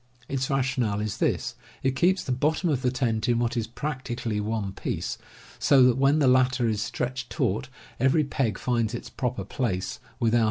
Its rationale is this: It keeps the bottom of the tent in what is practically one piece, so that when the latter is stretched taut every peg finds its proper place, without